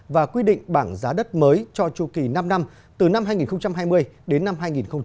và quy định bảng giá đất mới cho chu kỳ năm năm từ năm hai nghìn hai mươi đến năm hai nghìn hai mươi